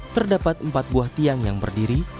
terdapat empat buah tiang yang berdiri